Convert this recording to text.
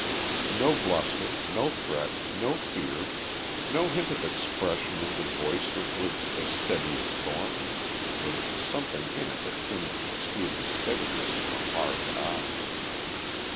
No bluster, no threat, no fear, no hint of expression in the voice which was as steady as Thornton's, with something in it akin to the steely steadiness of the hard eyes.